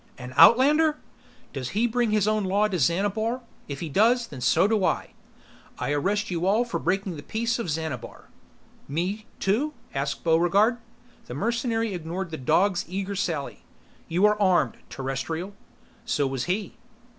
"An outlander!" "Does he bring his own law to Xanabar? If he does, then so do I!" "I arrest you all for breaking the Peace of Xanabar." "Me, too?" asked Buregarde. The mercenary ignored the dog's eager sally. "You are armed, Terrestrial." "So was he."